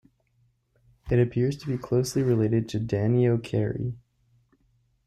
It appears to be closely related to "Danio kerri".